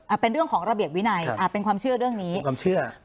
เป็นเรื่องของระเบียบวินัยอ่าเป็นความเชื่อเรื่องนี้ความเชื่อ